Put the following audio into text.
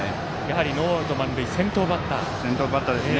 ノーアウト、満塁先頭バッター。